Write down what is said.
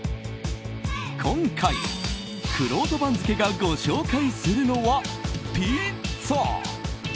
今回、くろうと番付がご紹介するのはピッツァ。